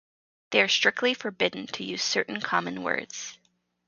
They are strictly forbidden to use certain common words.